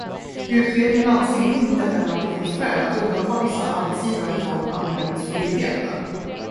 Utredningen anser inte heller att det finns skäl att undanta vissa arbetsgivare från anmälningsskyldigheten.